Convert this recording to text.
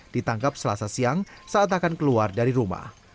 ditangkap selasa siang saat akan keluar dari rumah